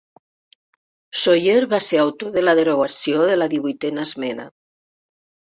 Sawyer va ser autor de la derogació de la Divuitena esmena.